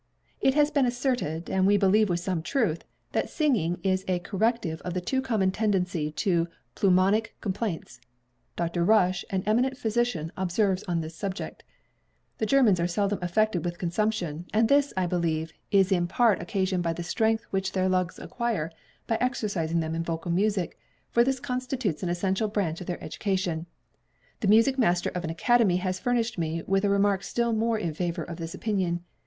It has been asserted, and we believe with some truth, that singing is a corrective of the too common tendency to pulmonic complaints. Dr. Rush, an eminent physician, observes on this subject: "The Germans are seldom afflicted with consumption; and this, I believe, is in part occasioned by the strength which their lungs acquire by exercising them in vocal music, for this constitutes an essential branch of their education. The music master of an academy has furnished me with a remark still more in favour of this opinion.